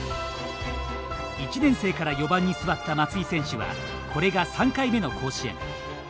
１年生から４番に座った松井選手はこれが３回目の甲子園。